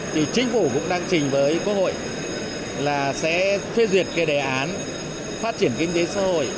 thì chính phủ cũng đang trình với quốc hội là sẽ phê duyệt cái đề án phát triển kinh tế xã hội